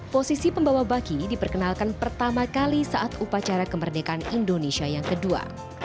posisi pembawa baki diperkenalkan pertama kali saat upacara kemerdekaan indonesia yang kedua